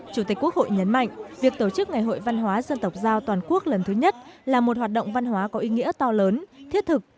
chủ tịch quốc hội nhấn mạnh việc tổ chức ngày hội văn hóa dân tộc giao toàn quốc lần thứ nhất là một hoạt động văn hóa có ý nghĩa to lớn thiết thực